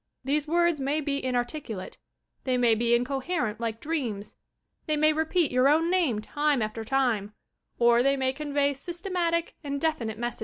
These words may be inarticulate, they may be incoherent like dreams, they may repeat your own name time after time, or they may convey systematic and definite messages.